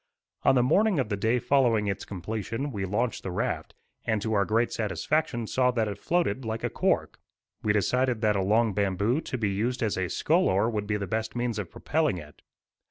On the morning of the day following its completion, we launched the raft, and to our great satisfaction saw that it floated like a cork. We decided that a long bamboo to be used as a scull oar would be the best means of propelling it.